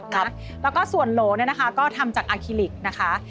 แล้วก็ส่วนโหลดก็ทำจากอคีลิกนะคะ